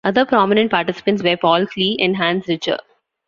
Other prominent participants were Paul Klee and Hans Richter.